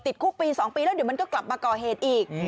คุกปี๒ปีแล้วเดี๋ยวมันก็กลับมาก่อเหตุอีก